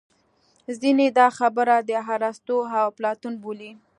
ځینې دا خبره د ارستو او اپلاتون بولي